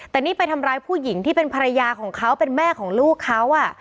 แต่นี่ไปทำร้ายผู้หญิงที่เป็นภรรยาของเขาเป็นแม่ของลูกเขา